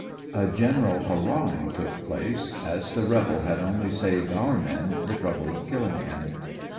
A general hurrahing took place, as the rebel had only saved our men the trouble of killing him.